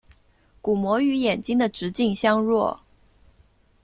鼓膜与眼睛的直径相若。